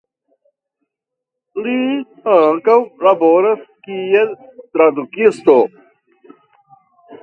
Li ankaŭ laboras kiel tradukisto.